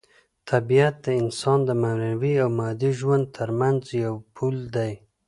طبیعت د انسان د معنوي او مادي ژوند ترمنځ یو پل دی.